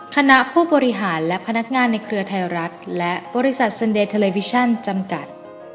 คณะผู้บริหารและพนักงานในเครือไทยรัฐและบริษัทเซ็นเดเทอร์เลวิชั่นจำกัด